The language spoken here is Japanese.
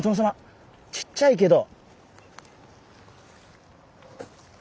ちっちゃいけど。